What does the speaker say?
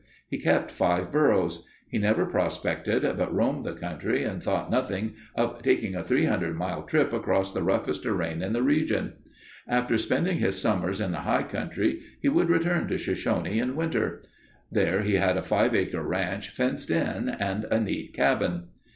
He kept five burros. He never prospected, but roamed the country and thought nothing of taking a 300 mile trip across the roughest terrain in the region. After spending his summers in the high country, he would return to Shoshone in winter. There he had a five acre ranch fenced in and a neat cabin.